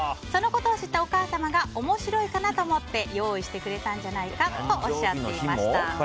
そのことを知ったお母様が面白いかなと思って用意してくれたんじゃないかとおっしゃっていました。